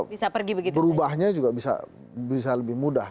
berubahnya juga bisa lebih mudah